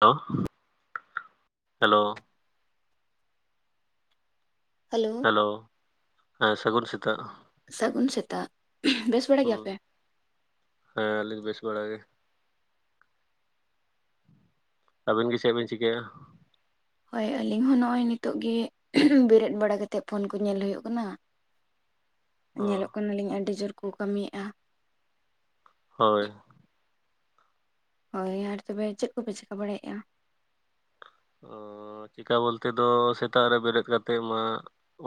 Hello hello hello hello ᱦᱮᱸ ᱥᱟᱹᱜᱩᱱ ᱥᱤᱛ ᱥᱟᱹᱜᱩᱱ ᱥᱮᱛᱟᱜ ᱵᱮᱥ ᱵᱟᱲᱟ ᱦᱩᱸ ᱜᱮᱭᱟᱯᱮ ᱦᱮᱸ ᱟᱹᱞᱤᱧ ᱵᱮᱥ ᱵᱟᱲᱟ ᱜᱮ ᱟᱹᱵᱤᱱ ᱜᱮ ᱪᱮᱫ ᱵᱤᱱ ᱪᱤᱠᱟᱹᱭᱮᱫ-ᱟ ᱦᱳᱭ ᱟᱹᱞᱤᱧ ᱦᱚᱸ ᱱᱚᱜᱼᱚᱭ ᱱᱤᱛᱚᱜ ᱜᱮ ᱵᱮᱨᱮᱫ ᱵᱟᱲᱟᱛᱮᱫ ᱯᱷᱳᱱ ᱠᱚ ᱧᱮᱞ ᱦᱩᱭᱩᱜ ᱠᱟᱱᱟ [unintelligible] ᱧᱮᱞᱚᱜ ᱠᱟᱱᱟᱞᱤᱧ ᱟᱹᱰᱤ ᱡᱳᱨ ᱠᱚ ᱠᱟᱹᱢᱤᱭᱮᱫᱼᱟ ᱦᱳᱭ ᱾ ᱦᱳᱭ ᱟᱨ ᱛᱚᱵᱮ ᱪᱮᱫ ᱠᱚᱯᱮ ᱪᱮᱠᱟ ᱵᱟᱲᱟᱭᱮᱫᱼᱟ? ᱚ ᱪᱮᱠᱟ ᱵᱚᱞᱛᱮ ᱫᱚ ᱥᱮᱛᱟᱜ ᱨᱮ ᱵᱮᱨᱮᱫ ᱠᱟᱛᱮᱫ ᱢᱟ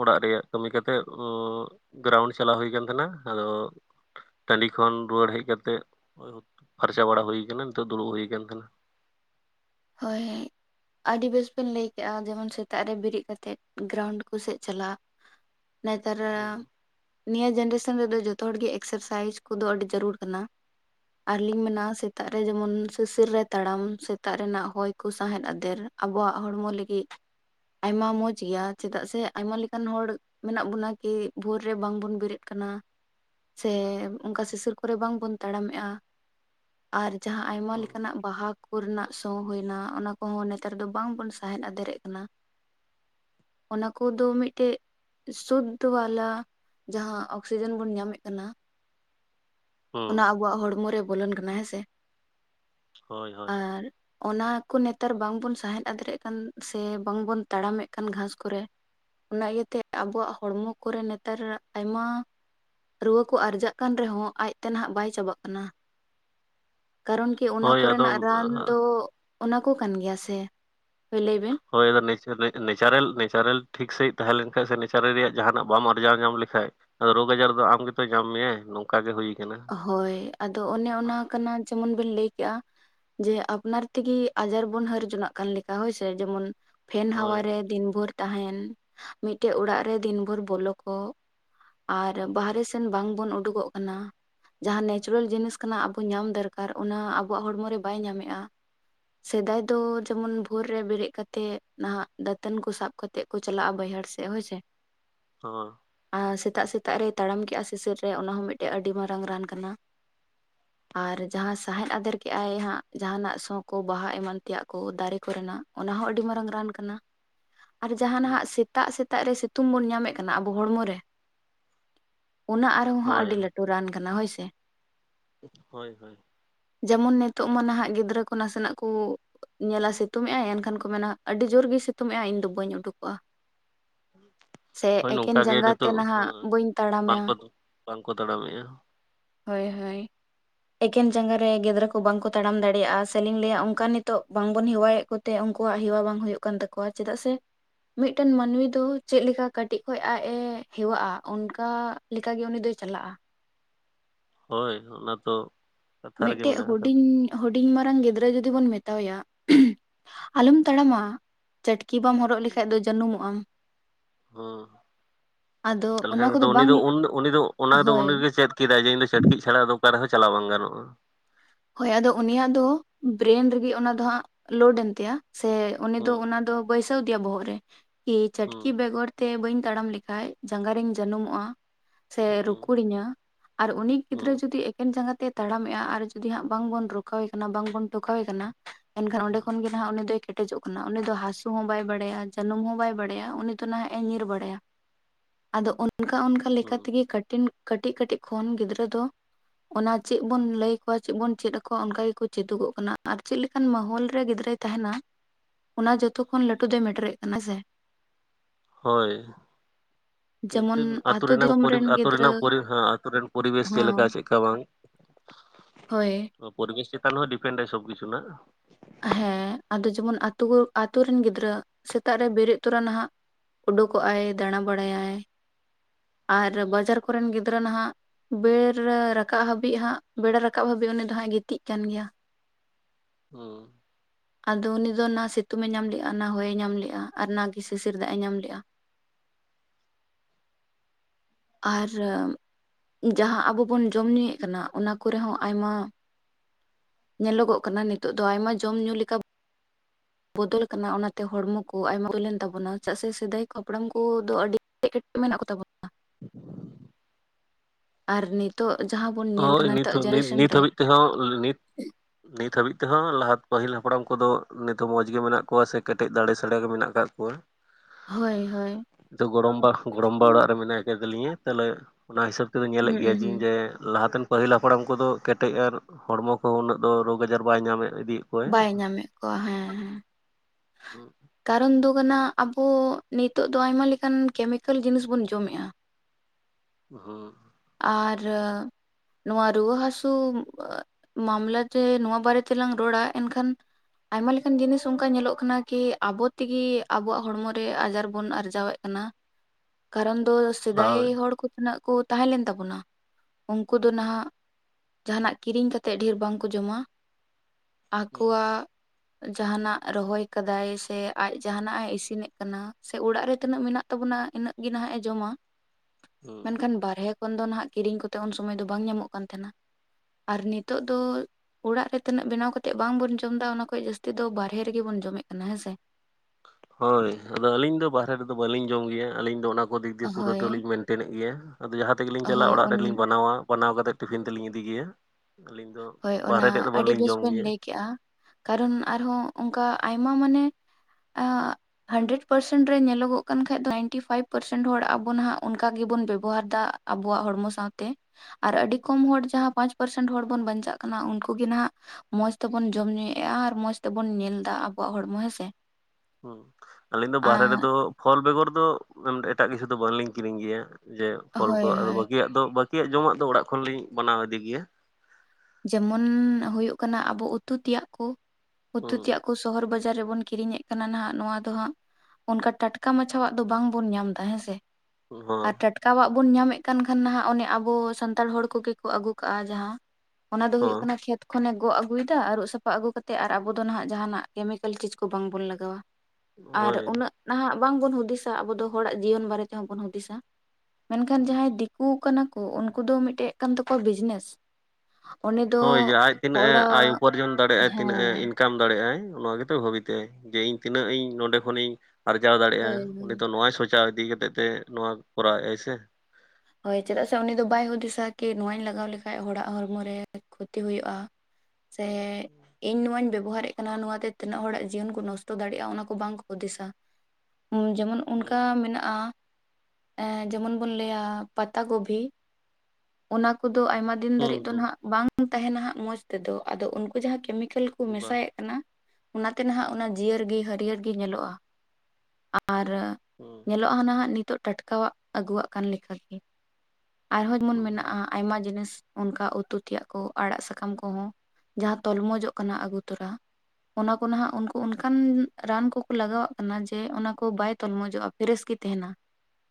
ᱚᱲᱟᱜ ᱨᱮᱭᱟᱜ ᱠᱟᱹᱢᱤ ᱠᱟᱛᱮᱫ ᱜᱨᱟᱣᱩᱱᱰ ᱪᱟᱞᱟᱣ ᱦᱩᱭ ᱠᱟᱱᱟᱱ ᱛᱟᱦᱮᱱᱟ, ᱟᱫᱚ ᱴᱟᱺᱞᱤ ᱠᱷᱚᱱ ᱨᱩᱣᱟᱹᱲ ᱦᱮᱡ ᱠᱟᱛᱮᱫ ᱦᱚᱜ-ᱚᱭ ᱯᱷᱟᱨᱪᱟ ᱵᱟᱲᱟ ᱦᱩᱭ ᱠᱟᱱᱟ ᱱᱤᱛᱚᱜ ᱫᱩᱲᱩᱵ ᱦᱩᱭ ᱠᱟᱱ ᱛᱟᱦᱮᱱᱟ ᱾ ᱦᱳᱭᱦᱮ ᱟᱹᱰᱤ ᱵᱮᱥ ᱵᱮᱱ ᱞᱟᱹᱭ ᱠᱮᱜᱼᱟ ᱡᱮᱢᱚᱱ ᱥᱮᱛᱟᱜ ᱨᱮ ᱵᱮᱨᱮᱫ ᱠᱟᱛᱮᱫ ᱜᱨᱟᱣᱩᱱᱰ ᱠᱚ ᱥᱮᱫ ᱪᱟᱞᱟᱜ ᱾ ᱱᱮᱛᱟᱨᱻ ᱱᱤᱭᱟᱹ ᱡᱮᱱᱨᱮᱥᱚᱱ ᱨᱮᱫᱚ ᱡᱚᱛᱚ ᱦᱚᱲ ᱜᱮ ᱮᱠᱥᱟᱨᱥᱟᱭᱤᱡᱽ ᱠᱚᱫᱚ ᱟᱹᱰᱤ ᱡᱟᱹᱨᱩᱲ ᱠᱟᱱᱟ ᱾ ᱟᱨᱞᱤᱧ ᱢᱮᱱᱟ ᱥᱮᱛᱟᱜ ᱨᱮ ᱡᱮᱢᱚᱱ ᱥᱥᱤᱨ ᱨᱮ ᱛᱟᱲᱟᱢ ᱥᱮᱛᱟᱜ ᱨᱮᱱᱟᱜ ᱦᱚᱭ ᱠᱚ ᱥᱟᱦᱮᱫ ᱟᱫᱮᱨ ᱟᱵᱚᱣᱟᱜ ᱦᱚᱲᱢᱚ ᱞᱟᱹᱜᱤᱫ ᱟᱭᱢᱟ ᱢᱚᱸᱡᱽ ᱜᱮᱭᱟ, ᱪᱮᱫᱟᱜ ᱥᱮ ᱟᱭᱢᱟ ᱞᱮᱠᱟᱱ ᱦᱚᱲ ᱢᱮᱱᱟᱜ ᱵᱚᱱᱟ ᱠᱤ ᱵᱷᱳᱨ ᱨᱮ ᱵᱟᱝᱵᱚᱱ ᱵᱮᱨᱮᱫ ᱠᱟᱱᱟ ᱾ ᱥᱮ ᱚᱱᱠᱟ ᱥᱤᱥᱤᱨ ᱠᱚᱨᱮ ᱵᱟᱝ ᱵᱚᱱ ᱛᱟᱲᱟᱢᱮᱜᱼᱟ ᱾ ᱟᱨ ᱡᱟᱦᱟᱸ ᱟᱭᱢᱟ ᱞᱮᱠᱟᱱᱟᱜ ᱵᱟᱦᱟ ᱠᱚ ᱨᱮᱱᱟᱜ ᱥᱚ ᱦᱩᱭᱱᱟ ᱚᱱᱟ ᱠᱚᱦᱚᱸ ᱱᱮᱛᱟᱨ ᱫᱚ ᱵᱟᱝᱵᱚᱱ ᱥᱟᱦᱮᱸᱫ ᱟᱫᱮᱨᱮᱜ ᱠᱟᱱᱟ ᱾ ᱚᱱᱟ ᱠᱚᱫᱚ ᱢᱤᱫᱴᱮᱡ ᱥᱩᱫᱽᱫᱷ ᱵᱟᱞᱟ ᱡᱟᱦᱟᱸ ᱚᱠᱥᱤᱡᱮᱱ ᱵᱚᱱ ᱧᱟᱢᱮᱫ ᱠᱟᱱᱟ [inaudible] ᱚᱱᱟ ᱟᱵᱚᱣᱟᱜ ᱦᱚᱲᱢᱚ ᱨᱮ ᱵᱚᱞᱚᱱ ᱠᱟᱱᱟ ᱦᱮᱸᱥᱮ ᱦᱳᱭ ᱦᱳᱭ ᱾ ᱟᱨ ᱚᱱᱟ ᱠᱚ ᱱᱮᱛᱟᱨ ᱵᱟᱝᱵᱚᱱ ᱥᱟᱦᱮᱫ ᱟᱫᱨᱮᱜ ᱠᱟᱱ ᱥᱮ ᱵᱟᱝᱵᱚᱱ ᱛᱟᱲᱟᱢ ᱮᱫ ᱠᱟᱱ ᱜᱷᱟᱥ ᱠᱚᱨᱮ ᱾ ᱚᱱᱟ ᱤᱭᱟᱹᱛᱮ ᱟᱵᱚᱣᱟᱜ ᱦᱚᱲᱢᱚ ᱠᱚᱨᱮ ᱱᱮᱛᱟᱨ ᱟᱭᱢᱟ ᱨᱩᱣᱟᱹ ᱠᱚ ᱟᱨᱡᱟᱜ ᱠᱟᱱ ᱨᱮᱦᱚᱸ ᱟᱡᱛᱮ ᱱᱟᱦᱟᱜ ᱵᱟᱭ ᱪᱟᱵᱟᱜ ᱠᱟᱱᱟ, ᱠᱟᱨᱚᱱ ᱠᱮ ᱚᱱᱟ ᱦᱳᱭ ᱟᱫᱚ ᱠᱚᱨᱮᱱᱟᱜ ᱨᱟᱱ ᱫᱚ ᱚᱱᱟ ᱠᱚ ᱠᱟᱱ ᱜᱮᱭᱟ ᱥᱮ ᱦᱳᱭ ᱞᱟᱹᱭ ᱵᱮᱱ ᱾ ᱦᱳᱭ ᱟᱫᱚ ᱱᱮᱪ ᱱᱮᱪᱟᱨᱮᱞ ᱱᱮᱪᱟᱨᱮᱞ ᱴᱷᱤᱠ ᱥᱟᱺᱤᱡ ᱛᱟᱦᱮᱸ ᱞᱮᱱᱠᱷᱟᱡ ᱥᱮ ᱱᱮᱪᱟᱨᱮᱞ ᱨᱮᱭᱟᱜ ᱡᱟᱦᱟᱱᱟᱜ ᱵᱟᱢ ᱟᱨᱡᱟᱣ ᱧᱟᱢ ᱞᱮᱠᱷᱟᱡ ᱟᱫᱚ ᱨᱳᱜᱽ ᱟᱡᱟᱨ ᱫᱚ ᱟᱢ ᱜᱮᱛᱚ ᱧᱟᱢ ᱢᱮᱭᱟ, ᱱᱚᱝᱠᱟ ᱜᱮ ᱦᱩᱭ ᱠᱟᱱᱟ ᱾ ᱦᱳᱭ ᱟᱫᱚ ᱚᱱᱮ ᱚᱱᱟ ᱠᱟᱱᱟ ᱡᱮᱢᱚᱱ ᱵᱮᱱ ᱞᱟᱹᱭ ᱠᱮᱜ-ᱟ ᱡᱮ ᱟᱯᱱᱟᱨ ᱛᱮᱜᱮ ᱟᱡᱟᱨ ᱵᱚᱱ ᱦᱟᱹᱨ ᱡᱚᱱᱟᱜ ᱠᱟᱱ ᱞᱮᱠᱟ ᱦᱳᱭᱥᱮ ᱾ ᱡᱮᱢᱚᱱ ᱯᱷᱮᱱ ᱦᱳᱭ ᱦᱟᱣᱟᱨᱮ ᱫᱤᱱ ᱵᱷᱳᱨ ᱛᱟᱦᱮᱱ, ᱢᱤᱫᱴᱮᱱ ᱚᱲᱟᱜ ᱨᱮ ᱫᱤᱱ ᱵᱷᱳᱨ ᱵᱚᱞᱚ ᱠᱚᱜ ᱾ ᱟᱨ ᱵᱟᱦᱨᱮ ᱥᱮᱱ ᱵᱟᱝ ᱵᱚᱱ ᱩᱰᱩᱠᱚᱜ ᱠᱟᱱᱟ ᱡᱟᱦᱟᱸ ᱱᱮᱪᱟᱨᱮᱞ ᱡᱤᱱᱤᱥ ᱠᱟᱱᱟ ᱟᱵᱚ ᱧᱟᱢ ᱫᱚᱨᱠᱟᱨ ᱚᱱᱟ ᱟᱵᱚᱣᱟᱜ ᱦᱚᱲᱢᱚᱨᱮ ᱵᱟᱭ ᱧᱟᱢᱮᱜ-ᱟ ᱾ ᱥᱮᱫᱟᱭ ᱫᱚ ᱡᱮᱢᱚᱱ ᱵᱷᱳᱨ ᱨᱮ ᱵᱮᱨᱮᱫ ᱠᱟᱛᱮᱫ ᱱᱟᱦᱟᱜ ᱫᱟᱹᱛᱟᱹᱱ ᱠᱚ ᱥᱟᱵ ᱠᱟᱛᱮᱫ ᱠᱚ ᱪᱟᱞᱟᱜ-ᱟ ᱵᱟᱹᱭᱦᱟᱹᱲ ᱥᱮᱫ ᱦᱳᱭ ᱥᱮ ᱾ [unintelligible] ᱟᱨ ᱥᱮᱛᱟᱜ ᱥᱮᱛᱟᱜ ᱨᱮᱭ ᱛᱟᱲᱟᱢ ᱠᱮᱜ-ᱟ ᱥᱤᱥᱤᱨ ᱨᱮ ᱚᱱᱟ ᱦᱚᱸ ᱢᱤᱫᱴᱮᱡ ᱟᱹᱰᱤ ᱢᱟᱨᱟᱝ ᱨᱟᱱ ᱠᱟᱱᱟ ᱾ [inaudible] ᱟᱨ ᱡᱟᱦᱟᱸ ᱥᱟᱦᱮᱫ ᱟᱫᱮᱨ ᱠᱮᱜ-ᱟᱭ ᱦᱟᱸᱜ ᱡᱟᱦᱟᱱᱟᱜ ᱥᱚ ᱠᱚ ᱵᱟᱦᱟ ᱮᱢᱟᱱ ᱛᱮᱭᱟᱜ ᱠᱚ ᱫᱟᱨᱮ ᱠᱚᱨᱮᱱᱟᱜ ᱚᱱᱟ ᱦᱚᱸ ᱟᱹᱰᱤ ᱢᱟᱨᱟᱝ ᱨᱟᱱ ᱠᱟᱱᱟ ᱾ [inaudible] ᱟᱨ ᱡᱟᱦᱟᱸ ᱱᱟᱦᱟᱜ ᱦᱩᱸ, ᱥᱤ ᱥᱮᱛᱟᱜ ᱥᱮᱛᱟᱜ ᱨᱮ ᱥᱤᱛᱩᱝ ᱵᱚᱱ ᱧᱟᱢᱮᱫ ᱠᱟᱱᱟ ᱟᱵᱚ ᱦᱚᱲᱢᱚ ᱨᱮ, ᱚᱱᱟ ᱟᱨᱦᱚᱸ ᱦᱟᱸᱜ ᱦᱳᱭ ᱟᱹᱰᱤ ᱞᱟᱹᱴᱩ ᱨᱟᱱ ᱠᱟᱱᱟ ᱦᱳᱭ ᱥᱮ ᱾ ᱦᱳᱭ ᱦᱳᱭ ᱾ ᱡᱮᱢᱚᱱ ᱱᱤᱛᱚᱜ ᱢᱟ ᱱᱟᱦᱟᱜ ᱜᱤᱫᱽᱨᱟᱹ ᱠᱚ ᱱᱟᱥᱮᱱᱟᱜ ᱠᱚ ᱧᱮᱞᱟ ᱥᱤᱛᱩᱝᱮᱫ ᱟᱭ ᱮᱱᱠᱷᱟᱱ ᱠᱚ ᱢᱮᱱᱟ ᱟᱹᱰᱤ ᱡᱳᱨ ᱜᱮᱭ ᱥᱤᱛᱩᱝ ᱮᱜ-ᱟᱭ ᱤᱧᱫᱚ ᱵᱟᱹᱧ ᱩᱰᱩᱠᱚᱜ-ᱟ ᱾ ᱥᱮ ᱦᱳᱭ ᱮᱠᱮᱱ ᱱᱚᱝᱠᱟ ᱜᱮ ᱡᱟᱸᱜᱟ ᱛᱮ ᱱᱤᱛᱚᱜ ᱱᱟᱦᱟᱜ ᱦᱳᱭ ᱵᱟᱹᱧ ᱛᱟᱲᱟᱢᱟ ᱵᱟᱝᱠᱚ ᱾ ᱵᱟᱝᱠᱚ ᱛᱟᱲᱟᱢᱮᱜ-ᱟ ᱾ ᱦᱳᱭ ᱦᱳᱭ ᱾ ᱮᱠᱮᱱ ᱡᱟᱸᱜᱟ ᱨᱮ ᱜᱤᱫᱽᱨᱟᱹ ᱠᱚ ᱵᱟᱝᱠᱚ ᱛᱟᱲᱟᱢ ᱫᱟᱲᱮᱭᱟᱜ-ᱟ ᱥᱮᱞᱤᱧ ᱞᱟᱹᱭᱟ ᱚᱱᱠᱟ ᱱᱤᱛᱚᱜ ᱵᱟᱝᱵᱚᱱ ᱦᱮᱣᱟᱭᱮᱫ ᱠᱚ ᱛᱮ ᱩᱱᱠᱩᱣᱟᱜ ᱦᱮᱣᱟ ᱵᱟᱝ ᱦᱩᱭᱩᱜ ᱠᱟᱱ ᱛᱟᱠᱚᱣᱟ, ᱪᱮᱫᱟᱜ ᱥᱮ ᱢᱤᱫᱴᱮᱱ ᱢᱟᱹᱱᱢᱤ ᱫᱚ ᱪᱮᱫ ᱞᱮᱠᱟ ᱠᱟᱴᱤᱡ ᱠᱷᱚᱱ ᱟᱡ ᱮ ᱦᱮᱣᱟᱜ-ᱟ ᱚᱱᱠᱟ ᱞᱮᱠᱟᱜ ᱜᱮ ᱩᱱᱤ ᱫᱚᱭ ᱪᱟᱞᱟᱜ-ᱟ ᱦᱳᱭ ᱚᱱᱟ ᱫᱚ ᱢᱤᱫᱴᱮᱡ ᱦᱩᱧ ᱦᱩᱰᱤᱧ ᱢᱟᱨᱟᱝ ᱜᱤᱫᱽᱨᱟᱹ ᱡᱩᱫᱤ ᱵᱚᱱ ᱢᱮᱛᱟᱣᱟᱭᱟ ᱟᱞᱚᱢ ᱛᱟᱲᱟᱢᱟ ᱪᱟᱹᱴᱠᱤ ᱵᱟᱢ ᱦᱚᱨᱚᱜ ᱞᱮᱠᱷᱟᱡ ᱫᱚ ᱡᱟᱹᱱᱩᱢᱚᱜ ᱟᱢ ᱦᱩᱸ ᱟᱫᱚ ᱛᱟᱦᱚᱞᱮ ᱚᱱᱟ ᱠᱷᱟᱱ ᱠᱚᱫᱚ ᱩᱱᱤ ᱵᱟᱝ ᱫᱚ ᱩᱱᱤ ᱫᱚ ᱚᱱᱟ ᱫᱚ ᱦᱳᱭ ᱩᱱᱤ ᱨᱮᱜᱮ ᱪᱮᱫ ᱠᱮᱫᱟᱭ ᱡᱮ ᱤᱧ ᱫᱚ ᱪᱟᱹᱴᱠᱤ ᱪᱷᱟᱲᱟ ᱟᱠᱟ ᱨᱮᱦᱚᱸ ᱪᱟᱞᱟᱜ ᱵᱟᱝ ᱜᱟᱱᱚᱜ-ᱟ ᱦᱳᱭ ᱟᱫᱚ ᱩᱱᱤᱭᱟᱜ ᱫᱚ ᱵᱨᱮᱱ ᱨᱮᱜᱮ ᱚᱱᱟ ᱫᱚ ᱦᱟᱸᱜ ᱞᱳᱰ ᱮᱱ ᱛᱟᱭᱟ ᱥᱮ ᱩᱱᱤ ᱫᱚ ᱦᱩᱸ ᱚᱱᱟ ᱫᱚ ᱵᱟᱹᱭᱥᱣ ᱫᱤᱭᱟ ᱵᱷᱳᱨᱮ ᱤ ᱦᱩᱸ ᱪᱚᱴᱠᱤ ᱵᱮᱜᱚᱨ ᱛᱮ ᱵᱟᱹᱧ ᱛᱟᱲᱟᱢ ᱞᱮᱠᱷᱟᱡ ᱡᱟᱸᱜᱟ ᱨᱤᱧ ᱡᱟᱹᱱᱩᱢᱚᱜ-ᱟ ᱥᱮ ᱦᱩᱸ ᱨᱩᱯᱟᱹᱲᱤᱧᱟᱹ ᱟᱨ ᱩᱱᱤ ᱜᱤᱫᱽᱨᱟᱹ ᱦᱩᱸ ᱡᱩᱫᱤ ᱮᱠᱮᱱ ᱡᱟᱸᱜᱟ ᱛᱮᱭ ᱛᱟᱲᱟᱢᱮᱜ-ᱟ ᱟᱨ ᱡᱩᱫᱤ ᱦᱟᱸᱜ ᱵᱟᱝᱵᱚᱱ ᱨᱚᱚᱠᱷᱟᱣᱮ ᱠᱟᱱᱟ ᱵᱟᱝᱵᱚᱱ ᱴᱚᱠᱟᱣᱮ ᱠᱟᱱᱟ ᱮᱱᱠᱷᱟᱱ ᱦᱩᱸ ᱚᱸᱰᱮ ᱠᱷᱚᱱ ᱜᱮ ᱱᱟᱦᱟᱜ ᱩᱱᱤ ᱫᱚᱭ ᱠᱮᱴᱮᱡᱚᱜ ᱠᱟᱱᱟ ᱩᱱᱤ ᱫᱚ ᱦᱟᱹᱥᱩ ᱦᱚᱸ ᱵᱟᱭ ᱵᱟᱲᱟᱭᱟ ᱡᱟᱹᱱᱩ ᱦᱚᱸ ᱵᱟᱭ ᱵᱟᱲᱟᱭᱟ ᱩᱱᱤ ᱫᱚ ᱱᱟᱦᱟᱜ- ᱮ ᱧᱤᱨ ᱵᱟᱲᱟᱭᱟ ᱟᱫᱚ ᱚᱱᱮ ᱚᱱᱠᱟ ᱚᱱᱠᱟ ᱞᱮᱠᱟ ᱛᱮ ᱦᱩᱸ ᱜᱮ ᱠᱟᱴᱤᱱ ᱠᱟᱹᱴᱤᱡ ᱠᱟᱹᱴᱤᱡ ᱠᱷᱚᱱ ᱜᱤᱫᱽᱨᱟᱹ ᱫᱚ ᱚᱱᱟ ᱪᱮᱫ ᱵᱚᱱ ᱞᱟᱹᱭ ᱠᱚᱣᱟᱜ ᱪᱮᱫ ᱵᱚᱱ ᱪᱮᱫ ᱟᱠᱚᱣᱟ ᱚᱱᱠᱟ ᱜᱮ ᱠᱚ ᱪᱮᱫᱚᱜᱚᱜ ᱠᱟᱱᱟ ᱟᱨ ᱪᱮᱫ ᱞᱮᱠᱟᱱ ᱢᱚᱦᱚᱞ ᱨᱮ ᱜᱤᱫᱽᱨᱟᱹᱭ ᱛᱟᱦᱮᱱᱟ ᱚᱱᱟ ᱡᱚᱛᱚ ᱠᱷᱚᱱ ᱞᱟᱹᱴᱩ ᱫᱚᱭ ᱢᱮᱴᱟ ᱨᱮᱜ ᱠᱟᱱᱟ ᱦᱮᱥᱮ᱾ ᱦᱳᱭ ᱡᱮᱢᱚᱱ ᱢᱤᱫᱴᱮᱱ ᱟᱹᱛᱩ ᱟᱛᱳ ᱨᱮᱱᱟᱝ ᱫᱤᱥᱚᱢ ᱯᱚᱨᱤ ᱨᱮᱱ ᱟᱹᱛᱩ ᱜᱤᱫᱽᱨᱟᱹ ᱨᱮᱱᱟᱜ ᱯᱚᱨᱤ ᱦᱮᱸ ᱟᱹᱛᱩ ᱨᱮᱱ ᱯᱚᱨᱤᱵᱮᱥ ᱪᱮᱫ ᱞᱮᱠᱟ ᱦᱳᱭ ᱪᱮᱜ ᱠᱟᱵᱟᱝ ᱦᱳᱭ ᱛᱚ ᱯᱚᱨᱤᱵᱮᱥ ᱪᱮᱛᱟᱱ ᱦᱚᱸ ᱰᱤᱯᱮᱱᱰᱟᱭ ᱥᱚᱵ ᱠᱤᱪᱷᱩ ᱱᱟᱜᱼᱼ ᱦᱮᱸ ᱟᱫᱚ ᱡᱮᱢᱚᱱ ᱟᱹᱛᱩ ᱟᱹᱛᱩ ᱨᱮᱱ ᱜᱤᱫᱽᱨᱟᱹ ᱥᱮᱛᱟᱜ ᱨᱮ ᱵᱮᱨᱮᱜ ᱛᱚᱨᱟ ᱱᱟᱦᱟᱜᱼᱼ ᱩᱰᱳᱠᱚᱜ-ᱟᱭ ᱫᱟᱬᱟ ᱵᱟᱲᱟ ᱭᱟᱭ ᱟᱨ ᱵᱟᱡᱟᱨ ᱠᱚᱨᱮᱱ ᱜᱤᱫᱽᱨᱟᱹ ᱱᱟᱦᱟᱜ ᱵᱮᱨᱻ ᱨᱟᱠᱟᱵ ᱦᱟᱹᱵᱤᱡ ᱦᱟᱸᱜ ᱵᱮᱲᱟ ᱨᱟᱠᱟᱵ ᱦᱟᱹᱵᱤᱡ ᱩᱱᱤ ᱫᱚ ᱦᱟᱸᱜ ᱮ ᱜᱤᱛᱤᱡ ᱠᱟᱱ ᱜᱮᱭᱟ᱾ ᱦᱩᱸ ᱟᱫᱚ ᱩᱱᱤ ᱫᱚ ᱱᱟ ᱥᱤᱛᱩᱢ ᱮ ᱧᱟᱢ ᱞᱮᱜ-ᱟ ᱱᱟ ᱦᱚᱭᱮ ᱧᱟᱢ ᱞᱮᱜ-ᱟ ᱟᱨ ᱱᱟ ᱠᱤ ᱥᱤᱥᱤᱨ ᱫᱟᱜ ᱮ ᱧᱟᱢ ᱞᱮᱜ-ᱟ ᱟᱨ ᱡᱟᱦᱟᱸ ᱟᱵᱚ ᱵᱚᱱ ᱡᱚᱢ ᱧᱩᱭᱮᱜ ᱠᱟᱱᱟ ᱚᱱᱟ ᱠᱩ ᱨᱮ ᱦᱚᱸ ᱟᱭᱢᱟ ᱧᱮᱞᱚᱜᱚᱜ ᱠᱟᱱᱟ ᱱᱤᱛᱚᱜ ᱫᱚ ᱟᱭᱢᱟ ᱡᱚᱢ ᱧᱩ ᱞᱮᱠᱟ ᱵᱚᱫᱚᱞ ᱠᱟᱱᱟ ᱚᱱᱟ ᱛᱮ ᱦᱚᱲᱢᱚ ᱠᱚ ᱟᱭᱢᱟ ᱵᱚᱫᱚᱞᱮᱱ ᱛᱟᱵᱚᱱᱟ ᱪᱮᱫᱟᱜ ᱥᱮ ᱥᱮᱫᱟᱭ ᱠᱚ ᱦᱟᱯᱲᱟᱢ ᱠᱚ ᱫᱚ ᱟᱹᱰᱤ [inaudible] [inaudible] ᱟᱨ ᱱᱤᱛᱚᱜ ᱡᱟᱦᱟᱸ ᱵᱚᱱ ᱧᱮᱞ ᱠᱟᱱᱟ ᱱᱤᱛᱚᱜ ᱱᱤᱛ ᱡᱮᱱᱨᱮᱥᱮᱱ ᱱᱤᱛ ᱨᱮ ᱦᱟᱹᱵᱤᱡ ᱛᱮ ᱦᱚᱸ ᱱᱤᱛ ᱱᱤᱛ ᱦᱟᱹᱵᱤᱡ ᱛᱮ ᱦᱚᱸ ᱞᱟᱦᱟ ᱯᱟᱹᱦᱤᱞ ᱦᱟᱯᱲᱟᱢ ᱠᱚᱫᱚ ᱱᱤᱛᱦᱚ ᱢᱚᱸᱡᱽ ᱜᱮ ᱢᱮᱱᱟᱜ ᱠᱚᱣᱟ ᱥᱮ ᱠᱟᱹ ᱴᱮᱡ ᱫᱟᱲᱮ ᱥᱟᱲᱮ ᱜᱮ ᱢᱮᱱᱟᱜ ᱟᱠᱟᱜ ᱠᱚᱣᱟ᱾ ᱦᱳᱭ ᱦᱚᱭ ᱛᱚ ᱜᱚᱲᱚᱢᱵᱟ ᱜᱚᱲᱚᱢᱵᱟ ᱚᱲᱟᱜ ᱨᱮ ᱢᱮᱱᱟᱭ ᱠᱟᱫᱮᱞᱤᱧᱟᱹ ᱛᱟᱦᱞᱮ ᱚᱱᱟ ᱦᱤᱥᱟᱹᱵ ᱛᱮ ᱫᱚ ᱧᱮᱞᱮᱫ ᱦᱩᱸ ᱜᱮᱭᱟ ᱦᱩᱸ ᱡᱮᱧ ᱡᱮᱼᱼ ᱞᱟᱦᱟᱛᱮᱱ ᱯᱟᱹᱦᱤᱞ ᱦᱟᱯᱲᱟᱢ ᱠᱚ ᱫᱚ ᱠᱮᱴᱮᱡ ᱟᱨ ᱦᱚᱲᱢᱚ ᱠᱚ ᱩᱱᱟᱹᱜ ᱫᱚ ᱨᱳᱜᱽ ᱟᱡᱟᱨ ᱵᱟᱭ ᱧᱟᱢᱮᱫ ᱤᱫᱤᱜ ᱵᱟᱭ ᱧᱟᱢᱮᱜ ᱠᱚᱣᱟ ᱦᱮᱸ ᱦᱮᱸ ᱩᱸᱜ ᱠᱟᱨᱚᱱ ᱫᱚ ᱠᱟᱱᱟ ᱟᱵᱚ ᱱᱤᱛᱚᱜ ᱫᱚ ᱟᱭᱢᱟ ᱞᱮᱠᱟᱱ ᱠᱮᱢᱤᱠᱮᱞ ᱡᱤᱱᱤᱥ ᱵᱚᱱ ᱡᱚᱢᱮᱜ-ᱟ᱾ ᱦᱩᱸᱜ ᱩ ᱟᱨᱼᱼ ᱱᱚᱣᱟ ᱨᱩᱣᱟᱹ ᱦᱟᱹᱥᱩ ᱢᱟᱢᱞᱟ ᱛᱮ ᱱᱚᱣᱟ ᱵᱟᱨᱮ ᱛᱮ ᱞᱟᱝ ᱨᱚᱲᱟ ᱮᱱᱠᱷᱟᱱ ᱟᱭᱢᱟ ᱞᱮᱠᱟᱱ ᱡᱤᱱᱤᱥ ᱚᱝᱠᱟ ᱧᱮᱞᱚᱜ ᱠᱟᱱᱟ ᱠᱤ ᱟᱵᱚ ᱛᱮ ᱜᱮ ᱟᱵᱚᱣᱟᱜ ᱦᱚᱲᱢᱚ ᱨᱮ ᱟᱡᱟᱨ ᱵᱚᱱ ᱟᱨᱡᱟᱣᱮᱜᱼᱼ ᱠᱟᱱᱟ ᱠᱟᱨᱚᱱ ᱫᱚ ᱥᱮᱫᱟᱭ ᱦᱳᱭ ᱦᱚᱲ ᱠᱩ ᱛᱤᱱᱟᱹᱜ ᱠᱩ ᱛᱟᱦᱮᱸ ᱞᱮᱱ ᱛᱟᱵᱚᱱᱟ ᱩᱝᱠᱩ ᱫᱚ ᱱᱟᱦᱟᱜ ᱡᱟᱦᱟᱱᱟᱜ ᱠᱤᱨᱤᱝ ᱠᱟᱛᱮᱜ ᱰᱷᱤᱨ ᱵᱟᱝ ᱠᱚ ᱡᱚᱢᱟ ᱦᱩᱸ ᱟᱠᱚᱣᱟᱜ ᱡᱟᱦᱟ ᱱᱟᱜ ᱨᱚᱦᱚᱭ ᱠᱟᱫᱟᱭ ᱥᱮ ᱟᱡ ᱡᱟᱦᱟᱱᱟᱜ ᱮ ᱤᱥᱤᱱᱮᱜ ᱠᱟᱱᱟ ᱥᱮ ᱚᱲᱟᱜ ᱨᱮ ᱛᱤᱱᱟᱹᱜ ᱢᱮᱱᱟᱜ ᱛᱚ ᱵᱚᱱᱟ ᱤᱱᱟᱹᱜ ᱜᱮ ᱱᱟᱦᱟᱜ ᱮ ᱡᱚᱢᱟ᱾ ᱦᱩᱸ ᱢᱮᱱᱠᱷᱟᱱ ᱵᱟᱨᱦᱮ ᱠᱷᱚᱱ ᱫᱚ ᱱᱟᱦᱟᱸᱜ ᱠᱤᱨᱤᱧ ᱠᱚ ᱛᱮ ᱩᱱ ᱥᱚᱢᱚᱭ ᱫᱚ ᱵᱟᱝ ᱧᱟᱢᱚᱜ ᱠᱟᱱ ᱛᱟᱦᱮᱱᱟ ᱟᱨ ᱱᱤᱛᱚᱜ ᱫᱚ ᱚᱲᱟᱜ ᱨᱮ ᱛᱤᱱᱟᱹᱜ ᱵᱮᱱᱟᱣ ᱠᱟᱛᱮᱜ ᱵᱟᱝ ᱵᱚᱱ ᱡᱚᱢ ᱫᱟ ᱚᱱᱟ ᱠᱷᱚᱱ ᱡᱟᱹᱥᱛᱤ ᱫᱚ ᱵᱟᱨᱦᱮ ᱨᱮ ᱜᱮ ᱵᱚᱱ ᱡᱚᱢ ᱮᱜ ᱠᱟᱱᱟ ᱦᱮᱸ ᱥᱮ ᱦᱳᱭ ᱟᱫᱚ ᱟᱹᱞᱤᱧ ᱫᱚ ᱵᱟᱦᱨᱮ ᱨᱮ ᱫᱚ ᱵᱟᱹᱞᱤᱧ ᱡᱚᱢ ᱜᱮᱭᱟ ᱟᱹᱞᱤᱧ ᱫᱚ ᱚᱱᱟ ᱠᱚ ᱫᱤᱠ ᱫᱤᱭᱮ ᱦᱳᱭ ᱯᱩᱨᱟᱹᱴᱟ ᱞᱤᱧ ᱢᱮᱱ ᱴᱮᱱᱮᱜ ᱜᱮᱭᱟ ᱟᱫᱚ ᱡᱟᱦᱟᱸ ᱛᱮ ᱜᱮ ᱞᱤᱧ ᱪᱟᱞᱟᱜ ᱦᱳᱭ ᱚᱲᱟᱜ ᱨᱮ ᱚᱱ ᱞᱤᱧ ᱵᱟᱱᱟᱣᱟ ᱵᱟᱱᱟᱣ ᱠᱟᱛᱮᱫ ᱴᱤᱯᱷᱤᱱ ᱛᱮ ᱞᱤᱧ ᱤᱫᱤ ᱜᱮᱭᱟ ᱟᱹᱞᱤᱧ ᱫᱚ ᱦᱳᱭ ᱵᱟᱨᱦᱮ ᱚᱱᱟ ᱴᱷᱮᱡ ᱫᱚ ᱟᱹᱰᱤ ᱵᱟᱝᱞᱤᱧ ᱵᱮᱥ ᱡᱚᱢ ᱵᱮᱱ ᱜᱮᱭᱟ ᱞᱟᱹᱭ ᱠᱮᱜ-ᱟ ᱠᱟᱨᱚᱱ ᱟᱨ ᱦᱚᱸ ᱚᱝᱠᱟ ᱟᱭᱢᱟ ᱢᱟᱱᱮ ᱟᱸᱜ ᱦᱟᱱᱰᱨᱮᱰ ᱯᱟᱨᱥᱮᱱᱴ ᱨᱮ ᱧᱮᱞᱚ ᱜᱚᱜ ᱠᱟᱱ ᱠᱷᱟᱡ ᱫᱚ ᱱᱟᱭᱤᱱᱴᱤ ᱯᱷᱟᱭᱤᱵ ᱯᱟᱨᱥᱮᱱᱴ ᱦᱚᱲ ᱟᱵᱚ ᱱᱟᱦᱟᱸᱜ ᱚᱱᱠᱟ ᱜᱮ ᱵᱚᱱ ᱵᱮᱵᱚᱦᱟᱨ ᱫᱟ ᱟᱵᱚᱣᱟᱜ ᱦᱚᱲᱢᱚ ᱥᱟᱣ ᱛᱮ ᱟᱨ ᱟᱹᱰᱤ ᱠᱚᱢ ᱦᱚᱲ ᱡᱟᱦᱟᱸ ᱯᱟᱸᱪ ᱯᱟᱨᱥᱮᱱᱴ ᱦᱚᱲ ᱵᱚᱱ ᱵᱟᱧᱪᱟ ᱛᱟᱜ ᱠᱟᱱᱟ ᱩᱱᱠᱩ ᱜᱮ ᱱᱟᱦᱟᱜ ᱢᱚᱸᱡᱽ ᱛᱮᱵᱚᱱ ᱡᱚᱢ ᱧᱩᱭᱮᱜ-ᱟ ᱟᱨ ᱢᱚᱸᱡᱽ ᱛᱮᱵᱚᱱ ᱧᱮᱞ ᱫᱟ ᱟᱵᱚᱣᱟᱜ ᱦᱚᱲᱢᱚ ᱦᱮᱸ ᱥᱮ ᱦᱩᱸ ᱟᱞᱤᱧ ᱫᱚ ᱵᱟᱦᱨᱮ ᱨᱮ ᱫᱚ ᱯᱷᱚᱞ ᱵᱮᱜᱚᱨ ᱫᱚ ᱮᱴᱟᱜ ᱠᱤᱪᱷᱩ ᱫᱚ ᱵᱟᱝ ᱞᱤᱝ ᱠᱤᱨᱤᱧ ᱜᱮᱭᱟ ᱡᱮ ᱯᱷᱚᱞ ᱦᱳᱭ ᱠᱚ ᱟᱫᱚ ᱦᱳᱭ ᱵᱟᱹᱠᱤᱭᱟᱜ ᱫᱚ ᱵᱟᱠᱤᱭᱟᱜ ᱡᱚᱢᱟᱜ ᱫᱚ ᱚᱲᱟᱜ ᱠᱷᱚᱱᱞᱤᱧ ᱵᱮᱟᱱᱟᱣ ᱤᱫᱤ ᱜᱮᱭᱟ ᱡᱮᱢᱚᱱ ᱦᱩᱭᱩᱜ ᱠᱟᱱᱟ ᱟᱵᱚ ᱩᱛᱩ ᱛᱮᱭᱟᱜ ᱠᱚ ᱩᱛᱩ ᱦᱩᱸ ᱛᱮᱭᱟᱜ ᱠᱚ ᱥᱚᱦᱚᱨ ᱵᱟᱡᱟᱨ ᱨᱮᱵᱚᱱ ᱠᱤᱨᱤᱧᱮᱫ ᱠᱟᱱᱟ ᱱᱟᱜ ᱱᱚᱣᱟ ᱫᱚ ᱦᱟᱸᱜ ᱚᱱᱠᱟ ᱴᱟᱴᱠᱟ ᱢᱟᱪᱷᱟᱣᱜ ᱫᱚ ᱵᱟᱝ ᱵᱚᱱ ᱧᱟᱢ ᱮᱫᱟ ᱦᱮᱸᱥᱮ ᱦᱚᱸ ᱟᱨ ᱴᱟᱴᱠᱟᱣᱟᱜ ᱵᱚᱱ ᱧᱟᱢᱮᱫ ᱠᱟᱱ ᱠᱷᱟᱱ ᱱᱟᱦᱟᱜ ᱚᱱᱮ ᱟᱵᱚ ᱥᱟᱱᱛᱟᱲ ᱦᱚᱲ ᱠᱚᱜᱮ ᱠᱚ ᱟᱹᱜᱩ ᱠᱟᱜᱼᱟ ᱡᱟᱦᱟᱸ ᱚᱱᱟ ᱫᱚ ᱦᱩᱭᱩᱜᱭᱳᱜ ᱦᱚᱸ ᱠᱟᱱᱟ ᱠᱷᱮᱛ ᱠᱷᱚᱱᱮ ᱜᱚᱜ ᱟᱹᱜᱩᱭᱮᱫᱟ ᱟᱹᱨᱩᱵ ᱥᱟᱯᱷᱟ ᱟᱹᱜᱩ ᱠᱟ ᱠᱟᱛᱮᱮᱫ ᱟᱨ ᱟᱵᱚ ᱫᱚ ᱱᱟᱦᱟᱜ ᱡᱟᱦᱟᱱᱟᱜ ᱠᱮᱢᱤᱠᱮᱞ ᱪᱤᱡᱽ ᱠᱚ ᱵᱟᱝᱵᱚᱱ ᱞᱟᱜᱟᱣᱟ ᱟᱨ ᱦᱳᱭ ᱩᱱᱟᱹᱜ ᱱᱟᱦᱟᱜ ᱵᱟᱝᱵᱚᱱ ᱦᱩᱫᱤᱥᱟ ᱟᱵᱚ ᱫᱚ ᱦᱚᱲᱟᱜ ᱡᱤᱭᱚᱱ ᱵᱟᱨᱮ ᱛᱮᱦᱚᱸ ᱵᱚᱱ ᱦᱩᱫᱤᱥᱟ ᱢᱮᱱᱠᱷᱟᱱ ᱡᱟᱦᱟᱸᱭ ᱫᱤᱠᱩ ᱠᱟᱱᱟ ᱠᱚ ᱩᱱᱠᱩ ᱫᱚ ᱢᱤᱫᱴᱮᱡ ᱠᱟᱱ ᱛᱟᱠᱚᱣᱟ ᱵᱤᱡᱽᱱᱮᱥ ᱚᱸᱰᱮ ᱫᱚ ᱦᱳᱭ ᱟᱡ ᱛᱤᱱᱟᱹᱜ ᱮ ᱟᱭ ᱦᱚᱲᱟᱜ ᱩᱯᱟᱨᱡᱚᱱ ᱫᱟᱲᱮᱭᱟᱜ-ᱟ ᱦᱮᱸ ᱛᱤᱱᱟᱹᱜ-ᱮ ᱠᱟᱢ ᱫᱟᱲᱮᱭᱟᱜ ᱟᱭ ᱱᱚᱣᱟ ᱜᱮᱛᱚ ᱵᱷᱷᱟᱵᱤᱛᱮ ᱡᱮ ᱤᱧ ᱛᱤᱱᱟᱹᱜ ᱤᱧ ᱱᱚᱰᱮ ᱠᱷᱚᱱᱤᱧ ᱟᱨᱡᱟᱣ ᱦᱳᱭ ᱫᱟᱲᱮᱭᱟᱜᱼᱟ ᱩᱱᱤ ᱛᱚ ᱦᱳᱭ ᱱᱚᱟᱭ ᱥᱪᱟᱣ ᱤᱫᱤ ᱠᱟᱛᱮ ᱛᱮ ᱱᱚᱣᱟ ᱠᱚᱨᱟᱣᱮᱫᱟᱭ ᱥᱮ ᱦᱳᱭ ᱪᱮᱫᱟᱜ ᱥᱮ ᱩᱱᱤ ᱫᱚ ᱵᱟᱭ ᱦᱩᱫᱤᱥᱟ ᱠᱤ ᱱᱚᱣᱟᱧ ᱞᱟᱜᱟᱣ ᱞᱮᱠᱷᱟᱡ ᱦᱚᱲᱟᱜ ᱦᱚᱲᱢᱚᱨ ᱨᱮ ᱠᱷᱚᱛᱤ ᱦᱩᱭᱩᱜᱼᱟ ᱥᱮ ᱦᱮᱸ [unintelligible] ᱤᱧ ᱱᱚᱣᱟᱧ ᱵᱮᱵᱚᱦᱟᱨᱮᱫ ᱠᱟᱱᱟ ᱱᱚᱣᱟᱛᱮ ᱛᱤᱱᱟᱹᱜ ᱦᱚᱲᱟᱜ ᱡᱤᱭᱚᱱ ᱠᱚ ᱱᱚᱥᱴᱚ ᱫᱟᱲᱮᱭᱟᱜᱼᱟ ᱚᱱᱟ ᱠᱚ ᱵᱟᱝᱠᱚ ᱦᱩᱫᱤᱥᱟ ᱡᱮᱢᱚᱱ ᱦᱩᱸ ᱚᱱᱠᱟ ᱢᱮᱱᱟᱜᱼᱟ ᱡᱮᱢᱚᱱ ᱵᱚᱱ ᱞᱟᱹᱭᱟ ᱯᱟᱛᱟ ᱜᱚᱵᱤ ᱚᱱᱟ ᱠᱚᱫᱚ ᱟᱭᱢᱟ ᱫᱤᱱ ᱫᱷᱟᱹᱨᱤᱡ ᱫᱚ ᱦᱩᱸ ᱱᱟᱦᱟᱜ ᱵᱟᱝ ᱛᱟᱦᱮᱱᱟ ᱦᱟᱸᱜ ᱢᱚᱸᱡᱽ ᱛᱮᱫᱚ ᱟᱫᱚ ᱩᱱᱠᱩ ᱡᱟᱦᱟᱸ ᱠᱮᱢᱤᱠᱮᱞ ᱠᱚ ᱦᱩᱸ ᱵᱟᱝ ᱢᱮᱥᱟᱭᱮᱫ ᱠᱟᱱᱟ ᱚᱱᱟᱛᱮ ᱱᱟᱦᱟᱜ ᱚᱱᱟ ᱡᱤᱭᱟᱹᱲᱜᱮ ᱦᱟᱹᱨᱭᱟᱹᱲ ᱜᱮ ᱧᱮᱞᱚᱜᱼᱟ ᱟᱨ ᱩᱸ ᱧᱮᱞᱚᱜᱼᱟ ᱱᱟᱦᱟᱜ ᱱᱤᱛᱚᱜ ᱴᱟᱴᱠᱟᱟᱜ ᱟᱹᱜᱩᱣᱟᱜ ᱠᱟᱱ ᱞᱮᱠᱟ ᱜᱮ ᱟᱨᱦᱚᱸ ᱡᱮᱢᱚᱱ ᱦᱩᱸ ᱢᱮᱱᱟᱜᱼᱟ ᱟᱭᱢᱟ ᱡᱤᱱᱤᱥ ᱚᱱᱠᱟ ᱩᱛᱩ ᱛᱮᱭᱟᱜ ᱠᱚ ᱟᱲᱟᱜ ᱥᱟᱠᱟᱢ ᱠᱚᱦᱚᱸ ᱡᱟᱦᱟᱸ ᱛᱚᱞᱢᱚᱡᱚᱜ ᱠᱟᱱᱟ ᱟᱹᱜᱩ ᱛᱚᱨᱟ ᱚᱱᱟ ᱠᱚ ᱱᱟᱦᱟᱜ ᱩᱱᱠᱩ ᱚᱱᱠᱟᱱ ᱨᱟᱱ ᱠᱚᱠᱚ ᱞᱟᱜᱟᱣᱟᱜ ᱠᱟᱱᱟ ᱡᱮ ᱚᱱᱟ ᱠᱚ ᱵᱟᱭ ᱛᱚᱞᱢᱚᱡᱚᱜᱼᱟ ᱯᱷᱮᱨᱮᱥ ᱜᱮ ᱛᱟᱦᱮᱱᱟ [unintelligible]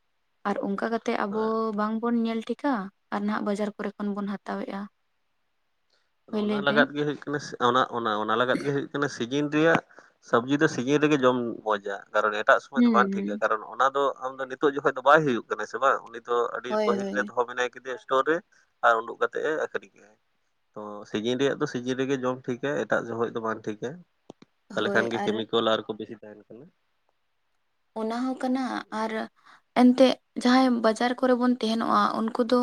ᱟᱨ ᱚᱱᱠᱟ ᱠᱟᱛᱮᱫ ᱛᱮ ᱟᱵᱚ ᱵᱟᱝᱵᱚᱱ ᱧᱮᱞ ᱴᱷᱤᱠᱟ ᱟᱨ ᱱᱟᱦᱟᱜ ᱵᱟᱡᱟᱨ ᱠᱚᱨᱮ ᱠᱷᱚᱱ ᱵᱚᱱ ᱦᱟᱛᱟᱣᱮᱫᱼᱟ ᱟᱫᱚ ᱦᱳᱭ ᱚᱱᱟ ᱞᱟᱹᱭ ᱵᱮᱱ ᱞᱟᱜᱟᱫ ᱜᱮ ᱦᱩᱭᱩᱜ ᱠᱟᱱᱟ ᱚᱱᱟ ᱚᱱᱟ ᱞᱟᱜᱟᱫ ᱜᱮ ᱦᱩᱭᱩᱜ ᱥᱤᱡᱤᱱ ᱨᱮᱭᱟᱜ ᱥᱚᱵᱡᱤ ᱫᱚ ᱥᱤᱡᱤᱱ ᱨᱮᱜᱮ ᱡᱚᱢ ᱢᱚᱡᱟ ᱠᱟᱨᱚᱱ ᱮᱴᱟᱜ ᱥᱚᱢᱚᱭ ᱫᱚ ᱦᱩᱸ ᱵᱟᱝ ᱦᱩᱸ ᱴᱷᱤᱠᱟ ᱠᱟᱨᱚᱱ ᱚᱱᱟ ᱫᱚ ᱟᱢᱫᱚ ᱱᱤᱛᱚᱜ ᱡᱚᱠᱷᱚᱱ ᱫᱚ ᱵᱟᱭ ᱦᱩᱭᱩᱜ ᱠᱟᱱᱟ ᱥᱮ ᱵᱟᱝ ᱩᱱᱤ ᱫᱚ ᱟᱹᱰᱤ ᱦᱳᱭ ᱯᱟᱹᱦᱤᱞ ᱦᱳᱭ ᱨᱮ ᱫᱚᱦᱚ ᱢᱮᱱᱟᱭ ᱠᱮᱫᱮᱭᱟ ᱥᱴᱳᱨ ᱨᱮ ᱟᱨ ᱩᱰᱩᱜ ᱠᱟᱛᱮᱜ ᱮ ᱟᱠᱷᱨᱤᱧ ᱠᱮᱫᱟ ᱛᱚ ᱥᱤᱡᱤᱱ ᱨᱮᱭᱟᱜ ᱫᱚ ᱥᱤᱡᱤᱱ ᱨᱮᱜᱮ ᱡᱚᱢ ᱴᱷᱤᱠᱟ ᱮᱴᱟᱜ ᱡᱚᱦᱚᱱ ᱫᱚ ᱵᱟᱝ ᱴᱷᱤᱠᱟ ᱛᱟᱦᱚᱞᱮ ᱦᱳᱭ ᱠᱷᱟᱱ ᱜᱮ ᱟᱨ ᱠᱮᱢᱤᱠᱮᱞ ᱟᱨᱠᱚ ᱵᱮᱥᱤ ᱛᱟᱦᱮᱱ ᱠᱟᱱᱟ ᱚᱱᱟ ᱦᱚᱸ ᱠᱟᱱᱟ ᱟᱨ ᱮᱱᱛᱮᱜ ᱡᱟᱦᱟᱸᱭ ᱵᱟᱡᱟᱨ ᱠᱚᱨᱮ ᱵᱚᱱ ᱛᱟᱦᱮᱸᱱᱚᱜᱼᱟ ᱩᱱᱠᱩ ᱫᱚ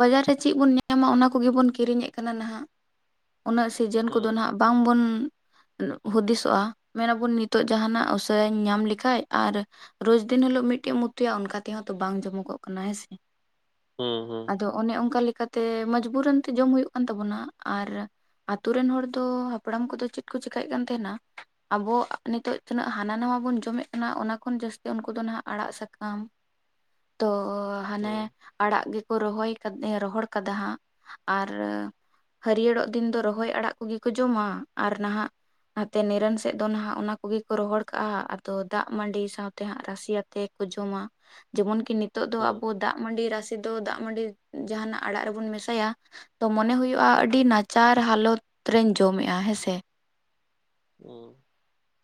ᱵᱟᱡᱟᱨ ᱨᱮ ᱪᱮᱫ ᱵᱚᱱ ᱧᱟᱢᱟ ᱚᱱᱟ ᱠᱚᱜᱮᱵᱚᱱ ᱠᱤᱨᱤᱧᱮᱫ ᱠᱟᱱᱟ ᱱᱟᱦᱟᱜ ᱩᱱᱟᱹᱜ ᱥᱤᱡᱮᱱ ᱠᱚᱫᱚ ᱦᱩᱸ ᱱᱟᱦᱟᱜ ᱵᱟᱝ ᱵᱚᱱ ᱦᱩᱫᱤᱥᱚᱜᱼᱟ ᱢᱮᱱᱟᱵᱚᱱ ᱱᱤᱛᱚᱜ ᱡᱟᱦᱱᱟᱜ ᱩᱥᱟᱹᱨᱟᱧ ᱧᱟᱢ ᱞᱮᱠᱷᱟᱡ ᱟᱨ ᱨᱳᱡᱽᱫᱤᱱ ᱦᱤᱞᱳᱜ ᱢᱤᱫᱴᱮᱡ ᱮᱢ ᱩᱛᱩᱭᱟ ᱚᱱᱠᱟ ᱛᱮᱦᱚᱸ ᱛᱚ ᱵᱟᱝ ᱡᱚᱢᱚᱠᱚᱜ ᱠᱟᱱᱟ ᱦᱮᱸ ᱥᱮ ᱦᱩᱸ ᱦᱩᱸ ᱟᱫᱚ ᱚᱱᱮ ᱚᱱᱠᱟ ᱞᱮᱠᱟᱛᱮ ᱢᱚᱡᱽᱵᱩᱨᱱᱛᱮ ᱡᱚᱢ ᱦᱩᱭᱩᱜ ᱠᱟᱱ ᱛᱟᱵᱚᱱᱟ ᱟᱨ ᱟᱛᱩᱨ ᱨᱮᱱ ᱦᱚᱲ ᱫᱚ ᱦᱟᱯᱲᱟᱢ ᱠᱚᱫᱚ ᱪᱮᱫ ᱠᱚ ᱪᱮᱠᱟᱹᱭᱮᱫ ᱠᱟᱱ ᱛᱟᱦᱮᱸᱱᱟ ᱟᱵᱚ ᱱᱤᱛᱚᱜ ᱛᱤᱱᱟᱹᱜ ᱦᱟᱱᱟ ᱱᱟ ᱵᱚᱱ ᱡᱚᱢᱮᱫ ᱚᱱᱟ ᱠᱷᱚᱱ ᱡᱟᱹᱥᱛᱤ ᱩᱱᱠᱩ ᱫᱚ ᱦᱱᱟᱜ ᱟᱲᱟᱜ ᱥᱟᱠᱟᱢ ᱛᱚ ᱦᱟᱱᱮ ᱦᱩᱸ ᱟᱲᱟᱜ ᱜᱮᱠᱚ ᱨᱚᱦᱚᱭ ᱨᱚᱦᱚᱲ ᱠᱟᱫᱟ ᱦᱟᱸᱜ ᱟᱨ ᱦᱟᱹᱨᱭᱟᱹᱲᱚᱜ ᱫᱤᱱ ᱫᱚ ᱨᱚᱦᱚᱭ ᱟᱲᱟᱜ ᱠᱚᱜᱮ ᱠᱚ ᱡᱚᱢᱟ ᱟᱨ ᱱᱟᱦᱟᱜ ᱱᱟᱛᱮ ᱱᱤᱨᱚᱱ ᱥᱮᱫ ᱫᱚ ᱱᱟᱦᱟᱜ ᱚᱱᱟ ᱠᱚᱜᱮ ᱠᱚ ᱨᱚᱦᱚᱲ ᱠᱟᱜᱼᱟ ᱟᱫᱚ ᱫᱟᱜ ᱢᱟᱹᱰᱤ ᱥᱟᱶᱛᱮ ᱦᱟᱸᱜ ᱨᱟᱥᱮᱤᱭᱟᱛᱮ ᱠᱚ ᱡᱚᱢᱟ ᱡᱮᱢᱚᱱ ᱠᱤ ᱱᱤᱛᱚᱜ ᱫᱚ ᱦᱩᱸ ᱟᱵᱚ ᱫᱟᱜ ᱢᱟᱹᱰᱤ ᱨᱟᱥᱮ ᱛᱚ ᱫᱟᱜ ᱢᱟᱹᱰᱤ ᱡᱟᱦᱟᱱᱟᱜ ᱟᱲᱟᱜ ᱨᱮᱵᱚᱱ ᱢᱮᱥᱟᱭᱟ ᱛᱚ ᱢᱚᱱᱮ ᱦᱩᱭᱩᱜᱼᱟ ᱟᱹᱰᱤ ᱱᱟᱪᱟᱨ ᱦᱟᱞᱚᱛ ᱨᱮᱧ ᱡᱚᱢᱮᱜᱼᱟ ᱦᱮᱸᱥᱮ ᱦᱩᱸ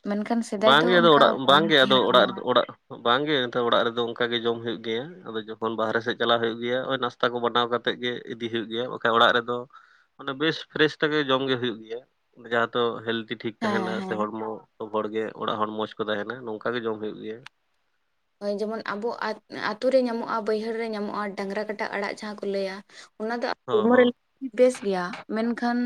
ᱢᱮᱱᱠᱷᱟᱱ ᱥᱮᱫᱟᱭ ᱫᱚ ᱵᱟᱝᱜᱮ ᱟᱫᱚ ᱚᱱᱠᱟ ᱚᱲᱟᱜ ᱵᱟᱝ ᱵᱟᱝᱜᱮ ᱟᱫᱚ ᱛᱟᱦᱮᱸ ᱚᱲᱟᱜ ᱠᱟᱱᱟ ᱨᱮ ᱦᱟᱸᱜ ᱚᱲᱟᱜ ᱵᱟᱝᱜᱮ ᱚᱲᱟᱜ ᱨᱮᱫᱚ ᱚᱱᱠᱟ ᱜᱮ ᱡᱚᱢ ᱦᱩᱭᱩᱜ ᱜᱮᱭᱟ ᱟᱫᱚ ᱡᱚᱠᱷᱚᱱ ᱵᱟᱦᱨᱮ ᱥᱮᱫ ᱪᱟᱞᱟᱜ ᱦᱩᱭᱩᱜ ᱜᱮᱭᱟ ᱱᱚᱜᱼᱚᱭ ᱱᱟᱥ ᱛᱟ ᱠᱚ ᱵᱟᱱᱟᱣ ᱠᱟᱛᱮᱜ ᱜᱮ ᱤᱫᱤ ᱦᱩᱭᱩᱜ ᱜᱮᱭᱟ ᱵᱟᱠᱟᱜ ᱚᱲᱟᱜ ᱨᱮᱫᱚ ᱵᱮᱥ ᱯᱷᱮᱨᱮᱥ ᱛᱮᱜᱮ ᱡᱚᱢ ᱜᱮ ᱦᱩᱭᱩᱜ ᱜᱮᱭᱟ ᱡᱟᱦᱟᱸ ᱫᱚ ᱦᱮᱞᱫᱤ ᱴᱷᱤᱠ ᱦᱮᱸ ᱛᱦᱮᱸᱱᱟ ᱥᱮ ᱦᱮᱸ ᱦᱚᱲᱢᱚ ᱦᱚᱲ ᱜᱮ ᱚᱲᱟᱜ ᱦᱚᱲ ᱢᱚᱸᱡᱽ ᱠᱚ ᱛᱟᱦᱮᱱᱟ ᱱᱚᱝᱠᱟ ᱜᱮ ᱡᱚᱢ ᱦᱚᱭᱩᱜ ᱜᱮᱭᱟ, ᱡᱮᱢᱚᱱ ᱟᱵᱚ ᱟᱹᱛᱳ ᱨᱮ ᱧᱟᱢᱚᱜᱼᱟ ᱵᱟᱹᱭᱦᱟᱹᱲ ᱨᱮ ᱧᱟᱢᱚᱜᱼᱟ ᱰᱟᱝᱨᱟ ᱠᱟᱴᱟ ᱟᱲᱟᱜ ᱡᱟᱦᱟᱸ ᱠᱚ ᱞᱟᱹᱭᱟ᱾ ᱚᱱᱟ ᱫᱚ ᱦᱚᱸ ᱦᱚᱲᱢᱚ ᱨᱮ ᱦᱚᱸ ᱵᱮᱥ ᱜᱮᱭᱟ ᱢᱮᱱᱠᱷᱟᱱ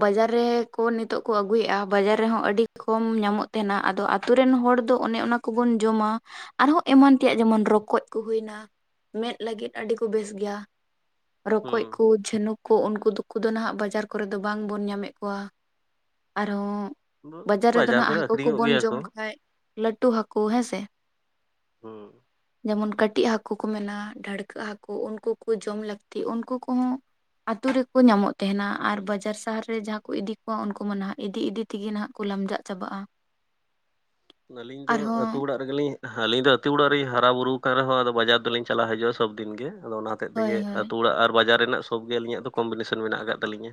ᱵᱟᱡᱟᱨ, ᱨᱮ ᱠᱚ ᱱᱤᱛᱚᱜ ᱠᱚ ᱟᱹᱜᱩᱭᱮᱜᱼᱟ ᱵᱟᱡᱟᱨ ᱨᱮᱦᱚᱸ ᱟᱹᱰᱤ ᱠᱚᱢ ᱧᱟᱢᱚᱜ ᱛᱟᱦᱮᱸᱱᱟ ᱟᱫᱚ ᱟᱛᱳ ᱨᱮᱱ ᱦᱚᱲ ᱫᱚ ᱚᱱᱮ ᱚᱱᱟ, ᱠᱚ ᱵᱚᱱ ᱡᱚᱢᱟ, ᱟᱨᱦᱚᱸ ᱮᱢᱟᱱ ᱛᱮᱭᱟᱜ ᱡᱮᱢᱚᱱ ᱨᱚᱠᱚᱡ ᱠᱚ ᱦᱩᱭᱱᱟ ᱢᱮᱸᱫᱽ ᱞᱟᱹᱜᱤᱫ ᱟᱹᱰᱤ ᱠᱚ ᱵᱮᱥ ᱜᱮᱭᱟ᱾ ᱨᱚᱠᱚᱡ ᱦᱩᱸ ᱠᱚ ᱡᱷᱤᱱᱩᱠ ᱠᱚ ᱩᱱᱠᱩ ᱫᱚ ᱠᱚ ᱱᱟᱦᱟᱜ ᱵᱟᱡᱟᱨ ᱠᱚᱨᱮ ᱫᱚ ᱵᱟᱝ ᱵᱚᱱ ᱧᱟᱢᱮᱜ ᱠᱚᱣᱟ ᱟᱨᱦᱚᱸ, ᱦᱩᱸ ᱵᱟᱡᱟᱨ ᱨᱮᱫᱚ ᱱᱷᱟᱜ ᱠᱚᱨᱮ ᱦᱟᱹᱠᱩ ᱟᱠᱷᱨᱤᱧᱚᱜ ᱠᱚᱵᱚᱱ ᱜᱮᱭᱟ ᱡᱚᱢ ᱠᱚ ᱠᱷᱟᱡ ᱞᱟᱹᱴᱩ ᱦᱟᱹᱠᱩ ᱦᱮᱸᱥᱮ ᱦᱩᱸ ᱡᱮᱢᱚᱱ ᱠᱟᱹᱴᱤᱡ ᱦᱟᱹᱠᱩ ᱠᱚ ᱢᱮᱱᱟ ᱰᱷᱟᱹᱲᱠᱟᱹᱜ ᱦᱟᱹᱠᱩ ᱩᱱᱠᱩ ᱠᱚ ᱡᱚᱢ ᱞᱟᱹᱠᱛᱤ ᱩᱱᱠᱩ ᱠᱚᱦᱚᱸ ᱟᱛᱳ ᱨᱮᱠᱚ ᱧᱟᱢᱚᱜ ᱛᱟᱦᱮᱱᱟ ᱟᱨ ᱵᱟᱡᱟᱨ ᱥᱟᱦᱟᱨ ᱨᱮ ᱡᱟᱦᱟᱸ ᱠᱚ ᱤᱫᱤ ᱠᱚᱣᱟ ᱩᱱᱠᱩ ᱢᱟ ᱱᱟᱦᱟᱜ ᱤᱫᱤᱼᱤᱫᱤ ᱛᱤᱜᱮ ᱱᱟᱦᱟᱜ ᱠᱚ ᱞᱟᱢᱡᱟᱜ ᱪᱟᱵᱟᱜᱼᱟ᱾ ᱟᱹᱞᱤᱧ ᱫᱚ ᱟᱨᱦᱚᱸ ᱟᱹᱛᱩ ᱚᱲᱟᱜ ᱨᱮᱜᱮᱞᱤᱧ ᱟᱹᱞᱤᱧ ᱫᱚ ᱟᱹᱛᱩ ᱚᱲᱟᱜ ᱨᱤᱧ ᱦᱟᱨᱟ ᱵᱩᱨᱩ ᱟᱠ ᱠᱟᱱ ᱨᱮᱦᱚᱸ ᱟᱫᱚ ᱵᱟᱡᱟᱨ ᱫᱚᱞᱤᱧ ᱪᱟᱞᱟᱜ ᱦᱤᱡᱩᱜᱼᱟ ᱥᱚᱵ ᱫᱤᱱ ᱜᱮ ᱟᱫᱚ ᱚᱱᱟ ᱦᱳᱭ ᱛᱮᱜᱮ ᱦᱳᱭ ᱟᱹᱛᱩ ᱚᱲᱟᱜ ᱟᱨ ᱵᱟᱡᱟᱨ ᱨᱮᱱᱟᱜ ᱥᱚᱵ ᱜᱮ ᱟᱹᱞᱤᱧᱟᱜ ᱫᱚ ᱠᱚᱢᱯᱤᱴᱤᱥᱚᱱ ᱢᱮᱱᱟᱜ ᱟᱠᱟᱫ ᱛᱟᱹᱞᱤᱧᱟ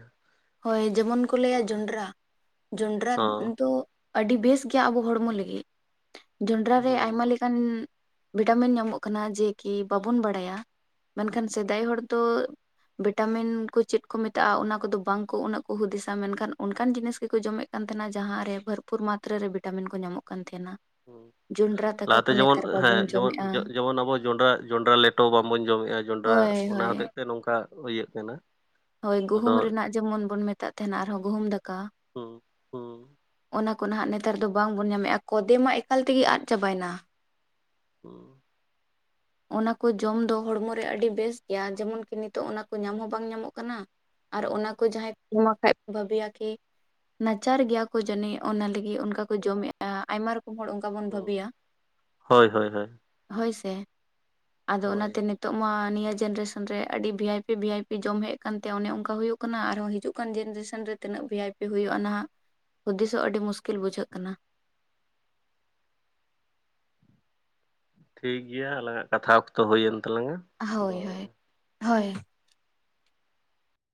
ᱦᱳᱭ ᱡᱮᱢᱚᱱ ᱠᱚ ᱞᱟᱹᱭᱟ ᱡᱚᱸᱰᱽᱨᱟ, ᱡᱚᱸᱰᱽᱨᱟ ᱦᱚᱸ ᱫᱚ, ᱟᱹᱰᱤ ᱵᱮᱥ ᱜᱮᱭᱟ ᱟᱵᱚ ᱦᱚᱲᱢᱚ ᱞᱟᱹᱜᱤᱜ ᱡᱚᱸᱰᱨᱟ ᱨᱮ ᱦᱩᱸ ᱟᱭᱢᱟ ᱠᱟᱱ ᱵᱷᱤᱴᱟᱢᱤᱱ ᱧᱟᱢᱚᱜ ᱠᱟᱱᱟ ᱡᱮ ᱠᱤ ᱵᱟᱵᱚᱱ ᱵᱟᱰᱟᱭᱟ ᱢᱮᱱᱠᱷᱟᱱ ᱥᱮᱫᱟᱭ ᱦᱚᱲ ᱫᱚ ᱵᱷᱮᱴᱟᱢᱤᱱ ᱠᱚ ᱪᱮᱫ ᱠᱚ ᱢᱮᱛᱟᱜᱼᱟ, ᱚᱱᱟ ᱠᱚᱫᱚ ᱵᱟᱝ ᱩᱱᱟᱹᱜ ᱠᱚ ᱦᱩᱫᱤᱥᱟ ᱢᱮᱱᱠᱷᱟᱱ ᱚᱱᱠᱟᱱ ᱡᱤᱱᱤᱥ ᱜᱮᱠᱚ ᱡᱚᱢᱮᱜ ᱠᱟᱱ ᱛᱟᱦᱮᱸᱱᱟ ᱡᱟᱦᱟᱸ ᱨᱮ ᱵᱷᱚᱨᱯᱩᱨ ᱢᱟᱛᱨᱟ ᱨᱮ ᱵᱷᱮᱴᱟᱢᱤᱱ ᱠᱚ ᱧᱟᱢᱚᱜ ᱠᱟᱱ ᱛᱟᱸᱦᱮᱱᱟ [unintelligible] ᱞᱟᱦᱟᱛᱮ ᱡᱮᱢᱚᱱ ᱦᱮᱸ ᱡᱮᱢᱚᱱ ᱡᱚᱢᱮᱫᱼᱟ ᱡᱮᱢᱚᱱ ᱟᱵᱚ ᱡᱚᱸᱰᱨᱟ ᱡᱚᱸᱰᱨᱟ ᱞᱮᱴᱚ ᱵᱟᱝᱵᱚᱱ ᱡᱚᱢᱮᱜᱼᱟ ᱡᱚᱸᱰᱨᱟ ᱦᱳᱭ ᱚᱱᱟ ᱦᱳᱭ ᱦᱚᱛᱮᱫ ᱛᱮ ᱱᱚᱝᱠᱟ ᱤᱭᱟᱹᱜ ᱠᱟᱱᱟ ᱦᱳᱭ ᱟᱫᱚ ᱜᱩᱦᱩᱢ ᱨᱮᱱᱟᱜ ᱡᱮᱢᱚᱱ ᱵᱚᱱ ᱢᱮᱛᱟᱜ ᱛᱟᱦᱮᱸᱱᱟ ᱟᱨᱦᱚᱸ ᱜᱩᱦᱩᱢ ᱫᱟᱠᱟ᱾ ᱦᱩᱸ ᱦᱩᱸ ᱚᱱᱟ ᱠᱚ ᱱᱟᱦᱟᱜ ᱱᱮᱛᱟᱨ ᱫᱚ ᱵᱟᱝ ᱵᱚᱱ ᱧᱟᱢᱮᱜᱼᱟ ᱠᱚᱫᱮ ᱢᱟ ᱮᱠᱟᱞ ᱛᱮᱜᱮ ᱟᱫ ᱪᱟᱵᱟᱭᱮᱱᱟ᱾ ᱦᱩᱸ ᱚᱱᱟ ᱠᱚ ᱡᱚᱢ ᱫᱚ ᱦᱚᱲᱢᱚᱨᱮ ᱟᱹᱰᱤ ᱵᱮᱥ ᱜᱮᱭᱟ ᱡᱮᱢᱚᱱ ᱠᱤ ᱱᱤᱛᱚᱜ ᱚᱱᱟ ᱠᱚ ᱧᱟᱢ ᱦᱚᱸ ᱵᱟᱝ ᱧᱟᱢᱚᱜ ᱠᱟᱱᱟ᱾ ᱟᱨ ᱚᱱᱟ ᱠᱚ ᱡᱟᱦᱟᱸᱭ ᱠᱚᱢ ᱠᱷᱟᱡ ᱠᱚ ᱵᱷᱟᱹᱵᱤᱭᱟ ᱠᱤ, ᱱᱟᱪᱟᱨ ᱜᱮᱭᱟ ᱠᱚ ᱡᱟᱹᱱᱤᱜ ᱚᱱᱟ ᱞᱟᱹᱜᱤᱫ ᱚᱱᱠᱟ ᱠᱚ ᱡᱚᱢᱮᱜᱼᱟ ᱟᱭᱢᱟ ᱨᱚᱠᱚᱢ ᱦᱚᱲ ᱵᱟᱵᱟᱱ ᱦᱩᱸ ᱵᱷᱟᱹᱵᱤᱭᱟ ᱦᱳᱭ ᱦᱳᱭ ᱦᱳᱭ ᱦᱳᱭᱥᱮ, ᱟᱫᱚ ᱦᱳᱭ ᱚᱱᱟᱛᱮ ᱱᱤᱛ ᱚᱜ ᱢᱟ ᱱᱤᱭᱟᱹ ᱡᱮᱱᱨᱮᱥᱮᱱ ᱨᱮ ᱟᱹᱰᱤ ᱵᱷᱤᱭᱟᱭᱯᱤ ᱵᱷᱤᱭᱟᱭᱯᱤ ᱡᱚᱢ ᱦᱮᱜ ᱠᱟᱱ ᱛᱮ ᱚᱱᱮ ᱚᱱᱠᱟ ᱦᱩᱭᱩᱜ ᱠᱟᱱᱟ ᱟᱨᱦᱚᱸ ᱦᱤᱡᱩᱜ ᱠᱟᱱ ᱡᱮᱱᱨᱮᱥᱮᱱ ᱨᱮ ᱛᱤᱱᱟᱹᱜ ᱵᱷᱤᱭᱟᱭᱯᱤ ᱦᱩᱭᱩᱜᱼᱟ ᱱᱟᱦᱟᱜ ᱦᱩᱫᱤᱥᱚᱜ ᱟᱹᱰᱤ ᱢᱩᱥᱠᱤᱞ ᱵᱩᱡᱷᱟᱹᱜ ᱠᱟᱱᱟ᱾ ᱴᱷᱤᱠ ᱜᱮᱭᱟ ᱟᱞᱟᱝ ᱟᱜ ᱠᱟᱛᱷᱟ ᱚᱠᱛᱚ ᱦᱩᱭᱮᱱ ᱛᱟᱞᱟᱝᱼᱟ᱾ ᱦᱳᱭ ᱦᱳᱭ ᱦᱳᱭ᱾